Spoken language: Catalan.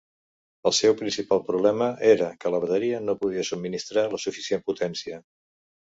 El seu principal problema era que la bateria no podia subministrar la suficient potència.